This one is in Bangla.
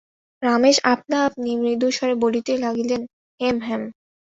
রমেশ আপনা-আপনি মৃদুস্বরে বলিতে লাগিল হেম, হেম!